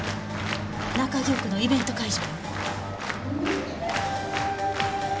中京区のイベント会場。